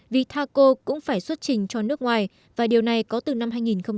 vì thaco cũng phải xuất trình cho nước ngoài và điều này có từ năm hai nghìn một mươi sáu